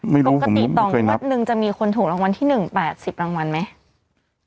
ไม่รู้ผมไม่เคยนับปกติต่อว่าหนึ่งจะมีคนถูกรางวัลที่หนึ่งแปดสิบรางวัลไหม